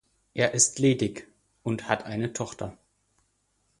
Er ist ledig und hat eine Tochter.